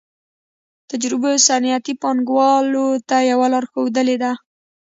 تجربو صنعتي پانګوالو ته یوه لار ښودلې ده